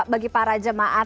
bagi para jemaah